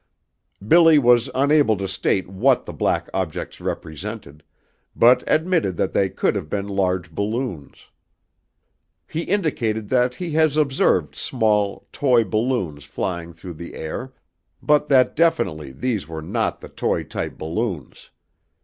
BILLY was unable to state what the black objects represented, but admitted that they could have been large balloons. He indicated that he has observed small, toy balloons flying through the air, but that definitely these were not the toy type balloons.